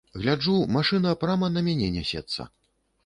Гляджу, машына прама на мяне нясецца.